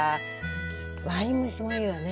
ワイン蒸しもいいわね。